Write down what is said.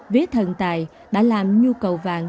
vế thần tài đã làm nhu cầu vàng